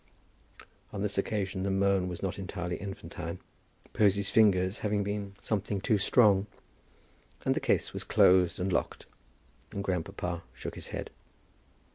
On this occasion the moan was not entirely infantine, Posy's fingers having been something too strong, and the case was closed and locked, and grandpapa shook his head.